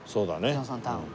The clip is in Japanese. ジョンソンタウン。